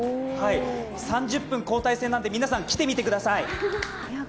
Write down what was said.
３０分交代制なんで皆さん、来てみてください。